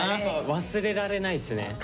忘れられないっすね。